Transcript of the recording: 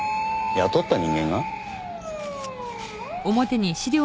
雇った人間が？